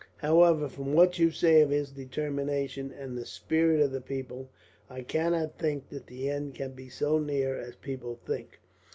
However, from what you say of his determination, and the spirit of the people, I cannot think that the end can be so near as people think.